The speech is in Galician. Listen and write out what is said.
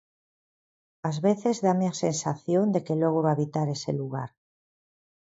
Ás veces dáme a sensación de que logro habitar ese lugar.